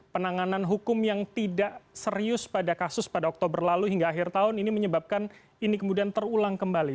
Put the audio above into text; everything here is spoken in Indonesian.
penanganan hukum yang tidak serius pada kasus pada oktober lalu hingga akhir tahun ini menyebabkan ini kemudian terulang kembali